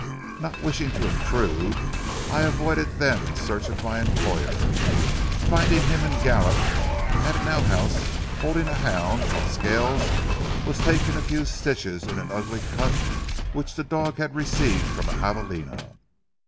Not wishing to intrude, I avoided them in search of my employer, finding him and Gallup at an outhouse holding a hound while Scales was taking a few stitches in an ugly cut which the dog had received from a javeline.